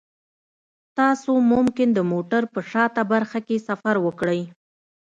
تاسو ممکن د موټر په شاته برخه کې سفر وکړئ